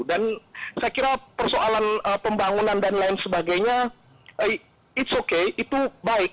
dan saya kira persoalan pembangunan dan lain sebagainya it's okay itu baik